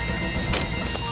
nih lu ngerti gak